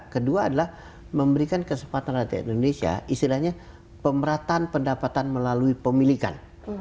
kedua adalah memberikan kesempatan rakyat indonesia istilahnya pemerataan pendapatan melalui pemilikan